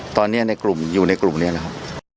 ตอนนี้อยู่ในกลุ่มนี้นะครับ